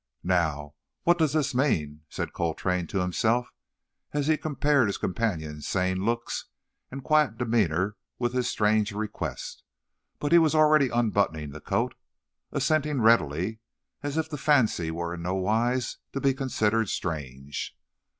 "Now, what does this mean?" said Coltrane to himself, as he compared his companion's sane looks and quiet demeanour with his strange request. But he was already unbuttoning the coat, assenting readily, as if the fancy were in no wise to be considered strange.